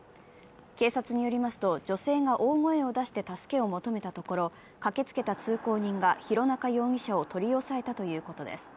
警察によりますと女性が大声を出して助けを求めたところ駆けつけた通行人が広中容疑者を取り押さえたということです。